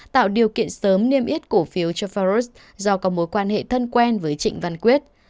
tạo điều kiện sớm niêm yết cổ phiếu cho farus do có mối quan hệ thân quen với trịnh văn quyết